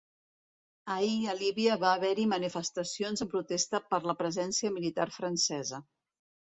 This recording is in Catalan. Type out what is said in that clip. Ahir a Líbia va haver-hi manifestacions en protesta per la presència militar francesa.